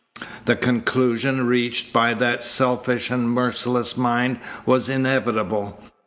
The conclusion reached by that selfish and merciless mind was inevitable.